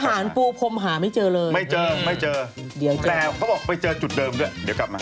หารปูพรมหาไม่เจอเลยไม่เจอไม่เจอแต่เขาบอกไปเจอจุดเดิมด้วยเดี๋ยวกลับมา